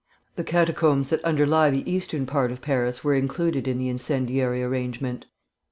The catacombs that underlie the eastern part of Paris were included in the incendiary arrangement.